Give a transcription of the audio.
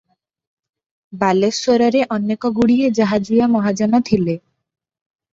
ବାଲେଶ୍ୱରରେ ଅନେକଗୁଡିଏ ଜାହାଜିଆ ମହାଜନ ଥିଲେ ।